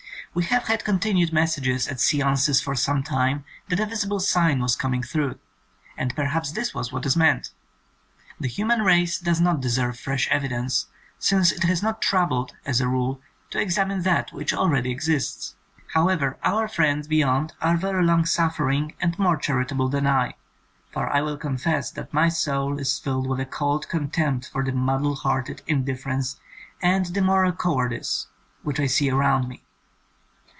We have had con tinued messages at seances for some time that a visible sign was coming through — and perhaps this was what is meant. The hmnan race does not deserve fresh evidence, since it has not troubled, as a rule, to examine that which already exists. However, our friends beyond are very long suffering and more charitable than I, for I will confess that my soul is filled with a cold contempt for the muddle headed indifference and the moral cowardice which I see around me.